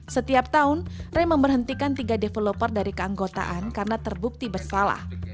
setiap tahun rey memberhentikan tiga developer dari keanggotaan karena terbukti bersalah